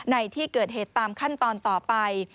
ในที่เกิดเหตุตามขั้นตอนต่อไป